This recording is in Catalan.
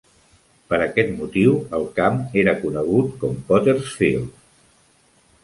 Per aquest motiu el camp era conegut com Potter's Field.